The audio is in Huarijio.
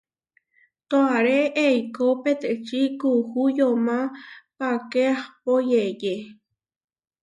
Toaré eikó peteči kuú yomá páke ahpó yeʼyé.